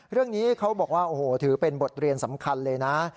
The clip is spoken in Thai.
เรื่องนี้เขาบอกว่าโอ้โหถือเป็นบทเรียนสำคัญเลยนะ